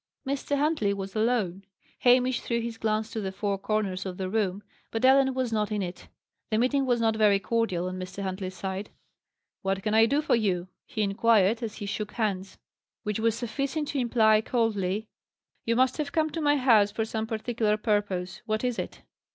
Mr. Huntley was alone. Hamish threw his glance to the four corners of the room, but Ellen was not in it. The meeting was not very cordial on Mr. Huntley's side. "What can I do for you?" he inquired, as he shook hands. Which was sufficient to imply coldly, "You must have come to my house for some particular purpose. What is it?"